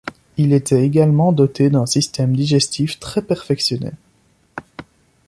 Il était également doté d'un système digestif très perfectionné.